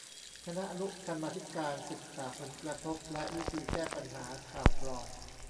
คณะอนุกรรมาธิการศึกษาผลกระทบและวิธีแก้ปัญหาข่าวปลอม